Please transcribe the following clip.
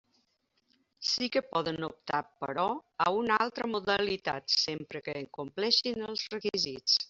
Sí que poden optar, però, a una altra modalitat sempre que en compleixin els requisits.